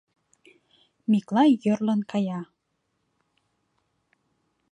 Миклай йӧрлын кая.